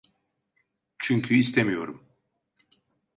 Çünkü istemiyorum.